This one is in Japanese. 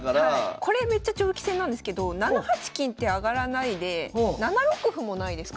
これめっちゃ長期戦なんですけど７八金って上がらないで７六歩もないですか？